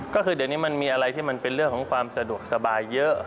ก็คือเดี๋ยวนี้มันมีอะไรที่มันเป็นเรื่องของความสะดวกสบายเยอะ